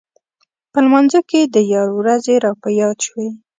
په لمانځه کې د یار ورځې راپه یاد شوې.